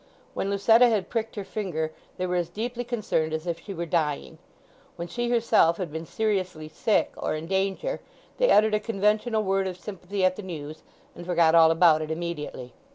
When Lucetta had pricked her finger they were as deeply concerned as if she were dying; when she herself had been seriously sick or in danger they uttered a conventional word of sympathy at the news, and forgot all about it immediately.